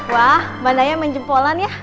wah mbak naya menjempolan ya